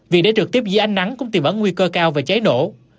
vì để trực tiếp dưới ánh nắng cũng tìm ấn nguy cơ cao và cháy nổ